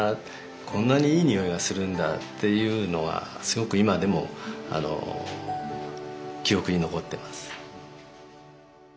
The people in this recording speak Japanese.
こんなにいい匂いがするんだっていうのがすごく今でも記憶に残ってます。